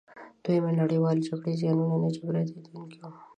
د دویمې نړیوالې جګړې زیانونه نه جبرانیدونکي وو.